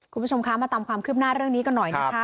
คุณผู้ชมคะมาตามความคืบหน้าเรื่องนี้กันหน่อยนะคะ